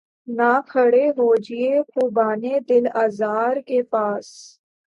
نہ کھڑے ہوجیے خُوبانِ دل آزار کے پاس